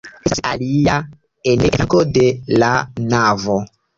Estas alia enirejo en flanko de la navo.